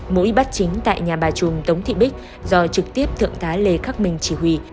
mũi bắt chính tại nhà bà trùm tống thị bích do trực tiếp thượng tá lê khắc minh chỉ huy